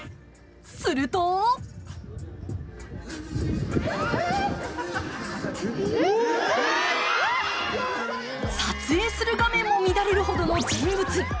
すると撮影する画面も乱れるほどの人物。